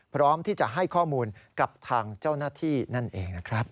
พร้อมที่จะให้ข้อมูลกับทางเจ้าหน้าที่นั่นเองนะครับ